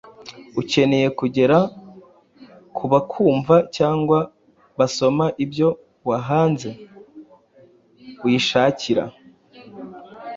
ukeneye kugeza ku bakumva cyangwa basoma ibyo wahanze. Uyishakira